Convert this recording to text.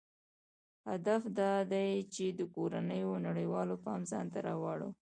هدف دا دی چې د کورنیو او نړیوالو پام ځانته راواړوي.